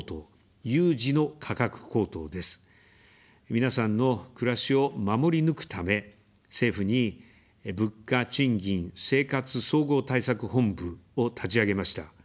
皆さんの暮らしを守り抜くため、政府に「物価・賃金・生活総合対策本部」を立ち上げました。